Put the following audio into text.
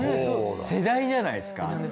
世代じゃないですか。